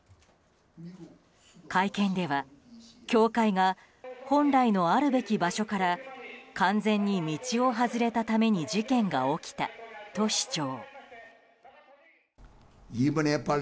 会見では教会が本来のあるべき場所から完全に道を外れたために事件が起きたと主張。